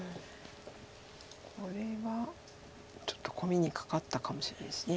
これはちょっとコミにかかったかもしれないです。